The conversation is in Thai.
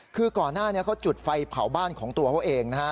คือก่อนหน้านี้เขาจุดไฟเผาบ้านของตัวเขาเองนะฮะ